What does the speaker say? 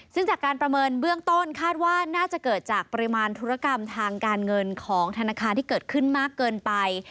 ซึ่งจากการประเมินเบื้องต้นคาดว่าน่าจะเกิดจากปริมาณธุรกรรมทางการเงินของธนาคารที่เกิดขึ้นมากเกินไป